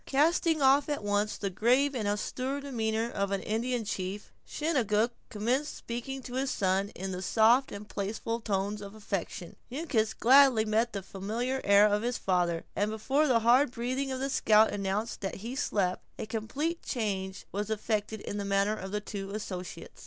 Casting off at once the grave and austere demeanor of an Indian chief, Chingachgook commenced speaking to his son in the soft and playful tones of affection. Uncas gladly met the familiar air of his father; and before the hard breathing of the scout announced that he slept, a complete change was effected in the manner of his two associates.